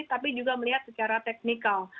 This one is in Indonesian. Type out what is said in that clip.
tapi juga melihat secara teknikal